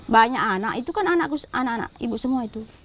banyak anak itu kan anak anak ibu semua itu